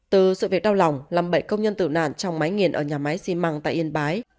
từ sự việc đau lòng lầm bậy công nhân tự nạn trong máy nghiền ở nhà máy xi măng tại yên bái